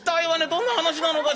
どんな話なのかしら」。